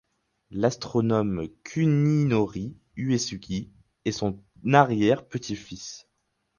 L'astronome Kuninori Uesugi est son arrière-petit-fils.